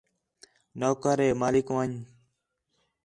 نوکر ہے مالک ون٘ڄ